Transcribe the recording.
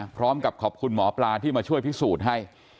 พร้อมกับขอบคุณหมอปลาที่มาช่วยพิสูจน์ให้